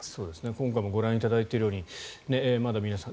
今回もご覧いただいているようにまだ皆さん